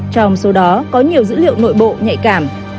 trong số đó có nhiều dữ liệu nội bộ nhạy cảm